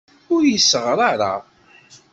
Ur uyiseɣ ara.